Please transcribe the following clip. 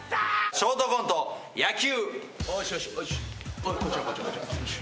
ショートコント野球。